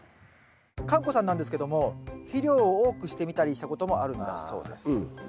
かんこさんなんですけども肥料を多くしてみたりしたこともあるんだそうです。